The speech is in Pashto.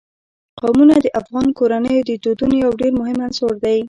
قومونه د افغان کورنیو د دودونو یو ډېر مهم عنصر دی.